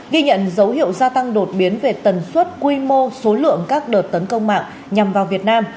ghi nhận dấu hiệu gia tăng đột biến về tần suất quy mô số lượng các đợt tấn công mạng nhằm vào việt nam